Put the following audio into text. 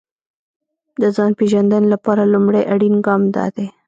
د ځان پېژندنې لپاره لومړی اړين ګام دا دی.